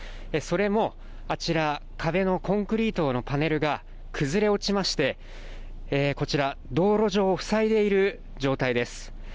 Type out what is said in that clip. それも、あちら壁のコンクリートのパネルが崩れ落ちましてこちら道路上をふさいでいる状態です